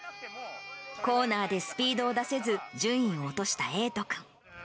コーナーでスピードを出せず、順位を落とした瑛斗くん。